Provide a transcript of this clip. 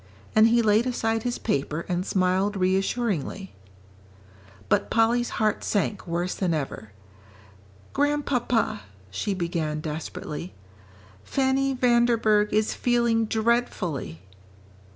and he laid aside his paper and smiled reassuringly. But Polly's heart sank worse than ever. "Grandpapa," she began desperately, "Fanny Vanderburgh is feeling dreadfully."